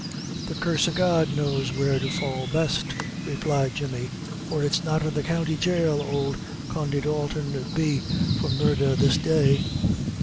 "The curse o' God knows where to fall best," replied Jemmy, "or it's not in the county jail ould Condy Dalton 'ud be for murdher this day."